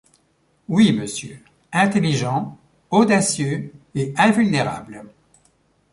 Oui, monsieur, intelligent, audacieux et invulnérable !